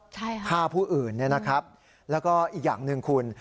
ใช่ค่ะฆ่าผู้อื่นเนี่ยนะครับแล้วก็อีกอย่างหนึ่งคุณ